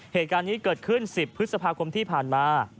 เหตุการณ์นี้เกิดขึ้น๑๐พฤษภาคมที่ผ่านมา